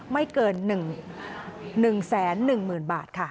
ไม่เกิน๑แสน๑หมื่นบาทค่ะ